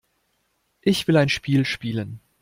Ich will ein Spiel spielen.